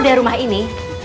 dari rumah ini